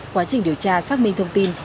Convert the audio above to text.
quá trình điều tra xác minh thông tin